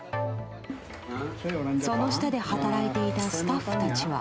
その下で働いていたスタッフたちは。